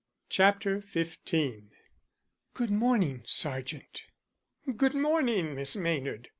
CHAPTER XV "GOOD morning, sergeant." "Good morning, Miss Maynard.